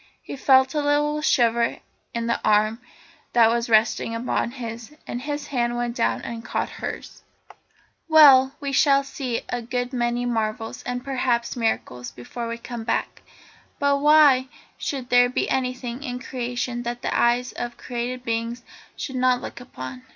He felt a little shiver in the arm that was resting upon his, and his hand went down and caught hers. "Well, we shall see a good many marvels, and, perhaps, miracles, before we come back, but why should there be anything in Creation that the eyes of created beings should not look upon?